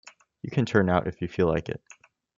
You can turn out if you feel like it.